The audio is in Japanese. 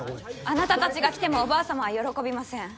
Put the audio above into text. あなた達が来てもおばあさまは喜びません。